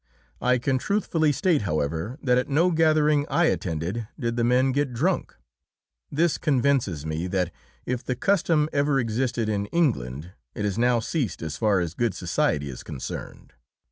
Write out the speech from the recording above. I can truthfully state, however, that at no gathering I attended did the men get drunk. This convinces me that, if the custom ever existed in England, it has now ceased as far as good society is concerned.